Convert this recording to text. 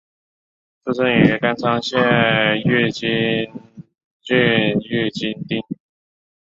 出身于冈山县御津郡御津町。